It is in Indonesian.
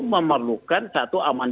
memerlukan satu amatnya